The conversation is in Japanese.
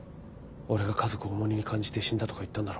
俺が家族を重荷に感じて死んだとか言ったんだろ。